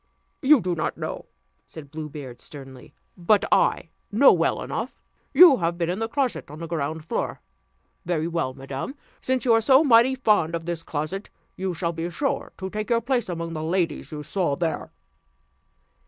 "You do not know?" said Blue Beard sternly, "but I know well enough. You have been in the closet on the ground floor! Very well, madam: since you are so mighty fond of this closet, you shall be sure to take your place among the ladies you saw there."